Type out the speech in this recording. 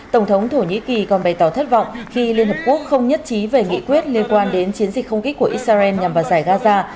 tổng thống thổ nhĩ kỳ còn bày tỏ thất vọng khi liên hợp quốc không nhất trí về nghị quyết liên quan đến chiến dịch không kích của israel nhằm vào giải gaza